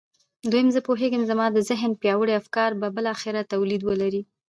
دويم زه پوهېږم چې زما د ذهن پياوړي افکار به بالاخره توليد ولري.